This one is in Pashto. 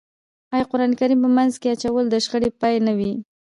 آیا قرآن کریم په منځ کې اچول د شخړې پای نه وي؟